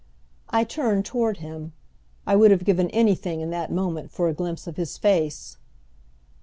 I turned toward him. I would have given anything, in that moment, for a glimpse of his face.